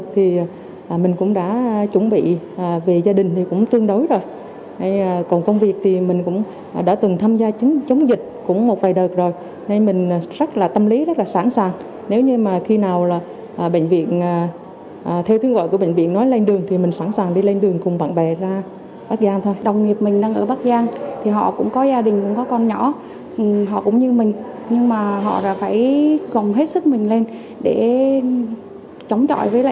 phải gồng hết sức mình lên để chống chọi với lại dịch bệnh đang ở bắc giang